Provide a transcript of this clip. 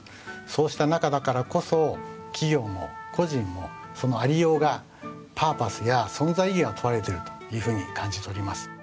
そうした中だからこそ企業も個人もそのありようがパーパスや存在意義が問われてるというふうに感じております。